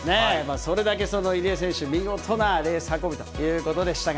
それだけ入江選手、見事なレース運びということでしたが。